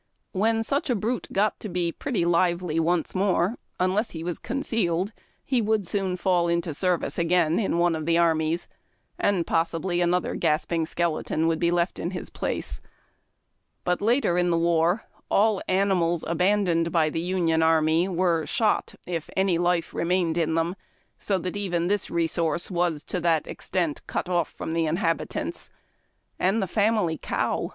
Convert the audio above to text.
When such a brute got to be pretty lively once more, unless he was concealed, he would soon fall into service again in one of the armies, and possibly another gasping skeleton left in his place ; but later in the war all animals abandoned b}^ the Union army were shot if any life remained in them, so that even this resource was to that extent cut FORAGING. 237 off from the inhabitants, and the family eotv.